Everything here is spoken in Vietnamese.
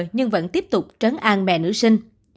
nhưng vẫn tiếp tục trấn an mẹ nữ sinh